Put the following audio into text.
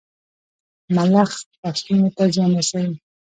ملخ فصلونو ته زيان رسوي.